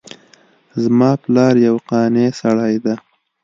زما پلار یو قانع سړی ده